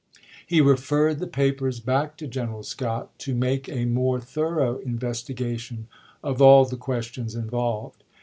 He referred the papers back to General Scott to make a more thorough investigation of all the questions involved.